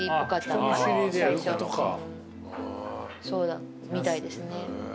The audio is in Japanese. そうみたいですね。